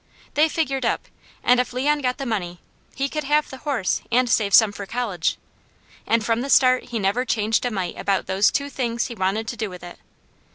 They figured up, and if Leon got the money, he could have the horse, and save some for college, and from the start he never changed a mite about those two things he wanted to do with it.